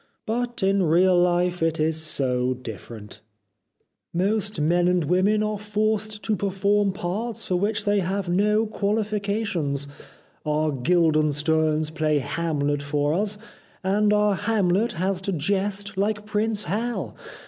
But in real life it is so different. 317 The Life of Oscar Wilde Most men and women are forced to perform parts for which they have no quahfications. Our Guildensterns play Hamlet for us, and our Hamlet has to jest like Prince Hal.